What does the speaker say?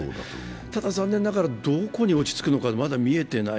ただ残念ながら、どこに落ち着くのか、まだ見えていない。